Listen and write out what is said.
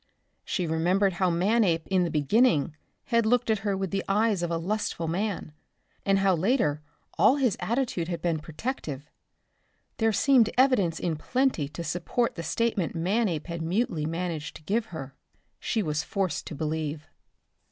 She remembered how Manape in the beginning had looked at her with the eyes of a lustful man and how later all his attitude had been protective. There seemed evidence in plenty to support the statement Manape had mutely managed to give her. She was forced to believe.